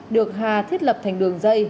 được hà thiết lập thành đường dây